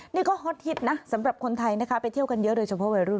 นี่ก็ฮอตฮิตนะสำหรับคนไทยนะคะไปเที่ยวกันเยอะโดยเฉพาะวัยรุ่น